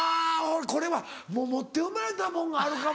これはもう持って生まれたもんがあるかも。